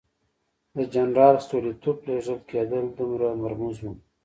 د جنرال ستولیتوف لېږل کېدل دومره مرموز وو.